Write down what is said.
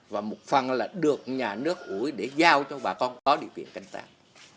và một phần là được nhà nước ủi để giao cho bà con có địa quyền canh tạc